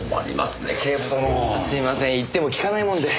すいません言っても聞かないもんで。